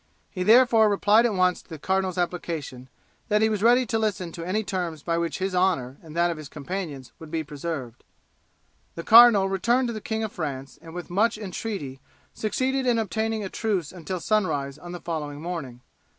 He therefore replied at once to the cardinal's application, that he was ready to listen to any terms by which his honour and that of his companions would be preserved. The cardinal returned to the King of France and with much entreaty succeeded in obtaining a truce until sunrise on the following morning.